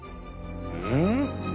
うん？